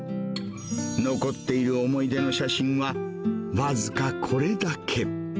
残っている思い出の写真は、僅かこれだけ。